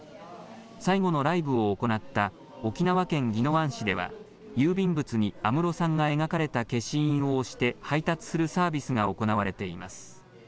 最後のライブを行った沖縄県宜野湾市では郵便物に安室さんが描かれた消印を押して配達するサービスが行われています。